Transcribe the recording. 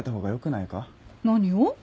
何を？